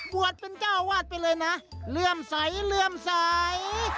บวชเป็นเจ้าอาวาสไปเลยนะเริ่มใสเริ่มใส